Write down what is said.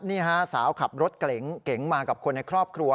นี่ฮะสาวขับรถเก๋งมากับคนในครอบครัว